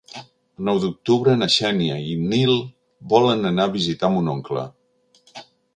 El nou d'octubre na Xènia i en Nil volen anar a visitar mon oncle.